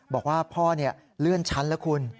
บอกว่าพ่อเลื่อนชั้นแล้วคุณ